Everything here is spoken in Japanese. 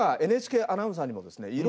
我がＮＨＫアナウンサーにもですね